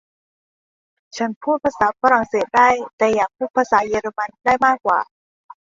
ฉันพูดภาษาฝรั่งเศสได้ แต่อยากพูดภาษาเยอรมันได้มากกว่า